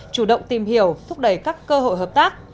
chủ động tìm hiểu thúc đẩy các cơ hội hợp tác